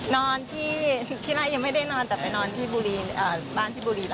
นอนที่ที่นั่นยังไม่ได้นอนแต่ไปนอนที่บุรีบ้านที่บุรีหรอก